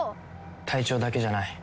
隊長だけじゃない。